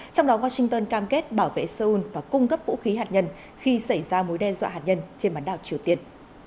trong đó washington cam kết bảo vệ seoul và cung cấp vũ khí hạt nhân khi xảy ra mối đe dọa hạt nhân trên bán đảo triều tiên